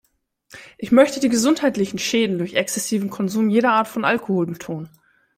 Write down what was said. Ich möchte die gesundheitlichen Schäden durch exzessiven Konsum jeder Art von Alkohol betonen.